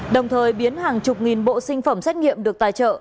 đồng thời biến hàng chục nghìn bộ sinh phẩm xét nghiệm được tài trợ